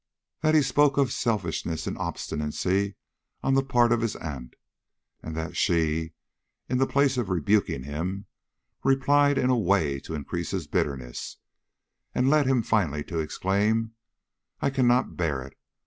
That he spoke of selfishness and obstinacy on the part of his aunt, and that she, in the place of rebuking him, replied in a way to increase his bitterness, and lead him finally to exclaim: 'I cannot bear it!